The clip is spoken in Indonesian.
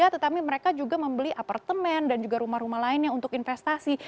tetapi mereka juga membeli apartemen dan juga rumah rumah lainnya untuk investasi